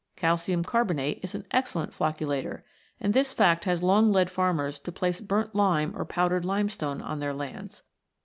Calcium carbonate is an excellent flocculator, and this fact has long led farmers to place burnt lime or powdered limestone on their lands.